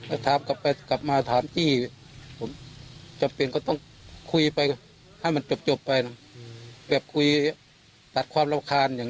ก็คือตอบตอบแก้ความรับคาญให้ผู้หญิงคนนี้ไปอืมคือมันไม่ใช่ความจริง